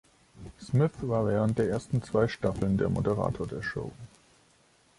Smith war während der ersten zwei Staffeln der Moderator der Show.